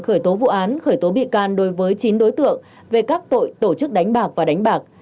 khởi tố vụ án khởi tố bị can đối với chín đối tượng về các tội tổ chức đánh bạc và đánh bạc